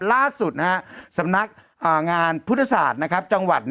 ล่าสุดสำนักงานพุทธศาสตร์จังหวัด